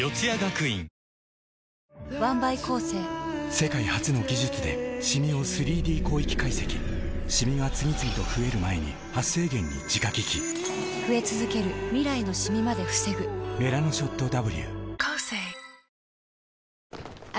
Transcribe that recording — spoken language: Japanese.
世界初の技術でシミを３Ｄ広域解析シミが次々と増える前に「メラノショットＷ」